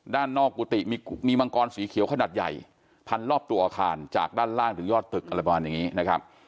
ด้านนอกกุฏิมีมังกรสีเขียวขนาดใหญ่พันรอบตัวอาคารจากด้านล่างถึงยอดตึกอะไรประมาณอย่างนี้นะครับ